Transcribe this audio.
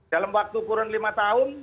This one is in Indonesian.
dalam waktu kurun lima tahun